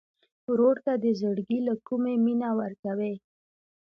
ورور ته د زړګي له کومي مینه ورکوې.